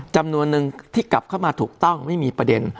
จำนวนนึงที่กลับเข้ามาถูกต้องไม่มีประเด็น